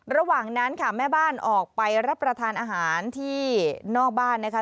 ระหว่างนั้นค่ะแม่บ้านออกไปรับประทานอาหารที่นอกบ้านนะคะ